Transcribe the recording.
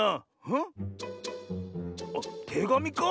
あってがみか？